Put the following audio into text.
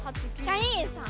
キャインさん。